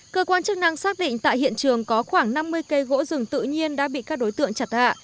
cơ quan chức năng xác định tại hiện trường có khoảng năm mươi cây gỗ rừng tự nhiên đã bị các đối tượng chặt hạ